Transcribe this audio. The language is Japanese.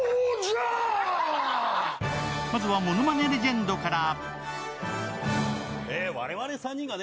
まずは、ものまねレジェンドから。